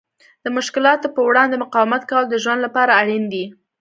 د مشکلاتو په وړاندې مقاومت کول د ژوند لپاره اړین دي.